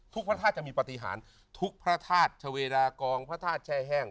พระธาตุจะมีปฏิหารทุกพระธาตุชเวดากองพระธาตุแช่แห้ง